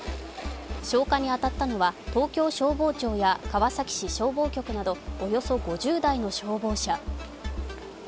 消火に当たったのは東京消防庁や川崎市消防局などおよそ５０台の消防車。